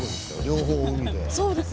両方海で。